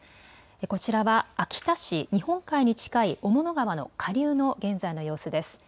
こちらは秋田市、日本海に近い雄物川の下流の現在の様子です。